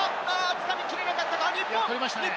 つかみきれなかったか？